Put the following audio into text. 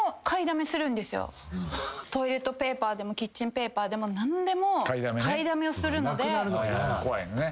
トイレットペーパーでもキッチンペーパーでも何でも買いだめをするので。